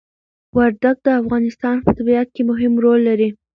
وردګ د افغانستان په طبيعت کي مهم ړول لري